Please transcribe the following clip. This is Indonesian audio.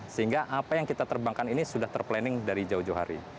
sehingga apa yang kita terbangkan ini sudah terplanning dari jauh jauh hari